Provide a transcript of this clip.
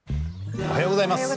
おはようございます。